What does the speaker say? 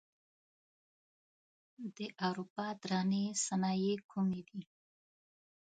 د اروپا درنې صنایع کومې دي؟